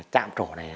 trạm trổ này